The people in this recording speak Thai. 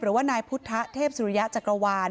หรือว่านายพุทธเทพสุริยะจักรวาล